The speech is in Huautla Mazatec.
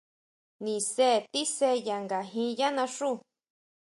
Nise tíse ya ngajín yá naxú.